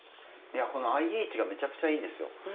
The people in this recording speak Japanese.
いやこのＩＨがめちゃくちゃいいんですよ。